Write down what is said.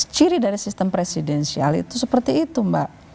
ciri dari sistem presidensial itu seperti itu mbak